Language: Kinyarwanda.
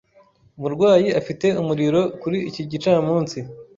Umurwayi afite umuriro kuri iki gicamunsi.